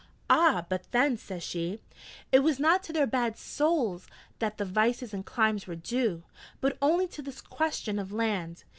'Ah, but then,' says she, 'it was not to their bad souls that the vices and climes were due, but only to this question of land.